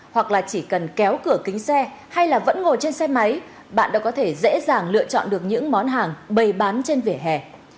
hoặc là chỉ cần kéo cửa kính xe hay là vẫn ngồi trên xe máy bạn đã có thể dễ dàng lựa chọn được những món hàng bày bán trên vỉa hè